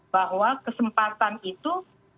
bahwa kesempatan itu